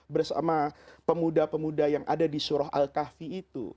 bersama pemuda pemuda yang ada di surah al kahfi itu